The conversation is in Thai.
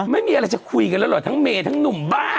ไม่มีอะไรจะคุยกันแล้วเหรอทั้งเมย์ทั้งหนุ่มบ้าน